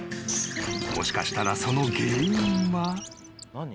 もしかしたらその原因は］